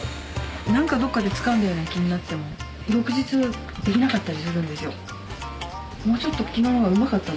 なんかどこかでつかんだような気になっても翌日できなかったりするんですよ。